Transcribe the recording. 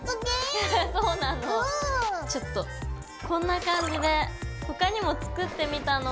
ちょっとこんな感じで他にも作ってみたの。